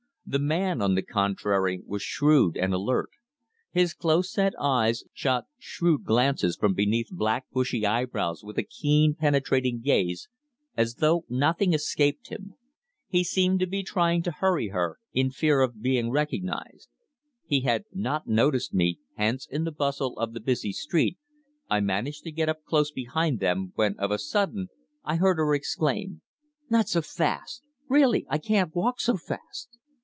The man, on the contrary, was shrewd and alert. His close set eyes shot shrewd glances from beneath black bushy eyebrows with a keen, penetrating gaze, as though nothing escaped him. He seemed to be trying to hurry her, in fear of being recognized. He had not noticed me, hence in the bustle of the busy street I managed to get up close behind them, when of a sudden, I heard her exclaim: "Not so fast! Really I can't walk so fast!"